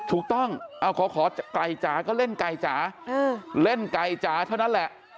ถูกต้องขอไก่จ๋าก็เล่นไก่จ๋าเล่นไก่จ๋าเท่านั้นแหละ